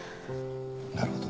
なるほどね。